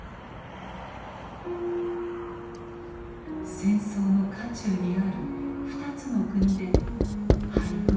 戦争の渦中にある２つの国で俳句を集めました。